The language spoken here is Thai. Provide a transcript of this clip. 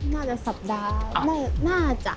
น่าจะสัปดาห์น่าจะ